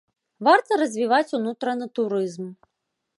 Варта развіваць унутраны турызм.